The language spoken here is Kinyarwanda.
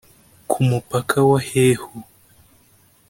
Ku mupaka wa Hehu